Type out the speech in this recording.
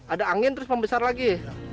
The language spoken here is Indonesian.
ada angin terus membesar lagi